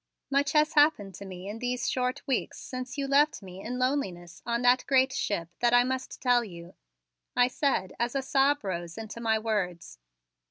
Much has happened to me in these short weeks since you left me in loneliness on that great ship that I must tell to you," I said as a sob rose into my words.